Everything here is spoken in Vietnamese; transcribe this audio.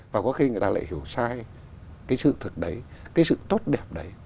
và có khi người ta lại hiểu sai cái sự thật đấy cái sự tốt đẹp đấy